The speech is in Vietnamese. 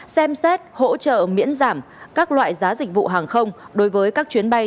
xem xét hỗ trợ miễn giảm các loại giá dịch vụ hàng không đối với các chuyến bay